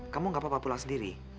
kamu gak apa apa pula sendiri